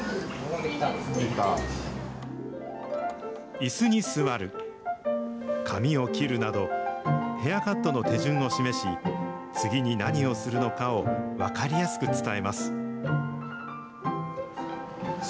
いすに座る、髪を切るなど、ヘアカットの手順を示し、次に何をするのかを分かりやすく伝えます。